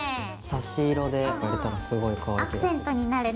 差し色でやれたらすごいかわいい気がする。